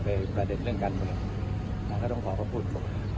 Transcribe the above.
ไปประเด็นเรื่องกันเลยครับแล้วก็ต้องขอพบ